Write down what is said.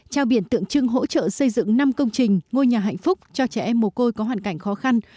trao biển tượng trưng hỗ trợ xây dựng năm công trình ngôi nhà hạnh phúc cho trẻ em mồ côi có hoàn cảnh khó khăn